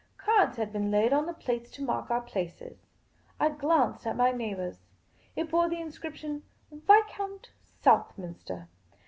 Cards had been laid on the plates to mark our places. I glanced at my neighbour's. It bore the inscrip tion, " Viscount Southminster."